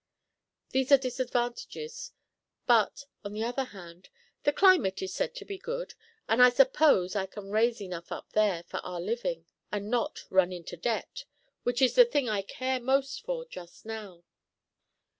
These are disadvantages; but, on the other hand, the climate is said to be good, and I suppose I can raise enough up there for our living, and not run into debt, which is the thing I care most for just now.